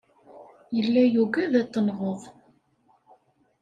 Yella yugad ad t-tenɣeḍ.